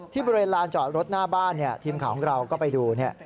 บริเวณลานจอดรถหน้าบ้านทีมข่าวของเราก็ไปดูเนี่ย